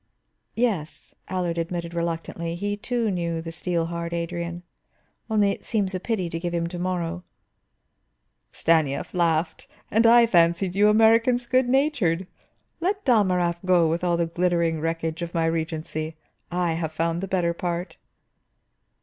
"Yes," Allard admitted reluctantly, he too knew the steel hard Adrian. "Only, it seems a pity to give him to morrow." Stanief laughed. "And I fancied you Americans good natured! Let Dalmorov go with all the glittering wreckage of my regency. I have found the better part."